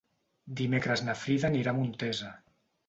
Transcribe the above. Dimecres na Frida anirà a Montesa.